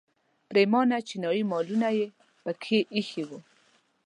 پریمانه چینایي مالونه یې په کې ایښي وو.